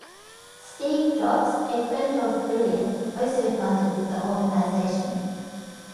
Steve Jobs, a friend of Brilliant, also funded the organization.